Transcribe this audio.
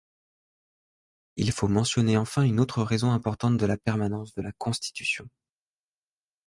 Il faut mentionner enfin une autre raison importante de la permanence de la Constitution.